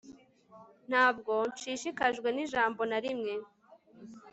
Ntabwo nshishikajwe nijambo na rimwe